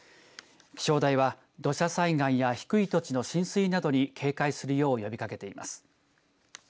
気象台は、土砂災害や低い土地の浸水などに警戒するよう呼びかけています。